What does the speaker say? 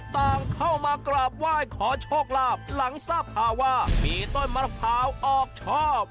ต่างเข้ามากราบไหว้ขอโชคลาภหลังทราบข่าวว่ามีต้นมะพร้าวออกชอบ